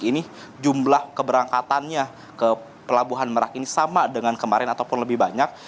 ini jumlah keberangkatannya ke pelabuhan merak ini sama dengan kemarin ataupun lebih banyak